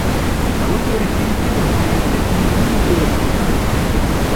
ئەوە گەورەترین سێوە تا ئێستا بینیبێتم.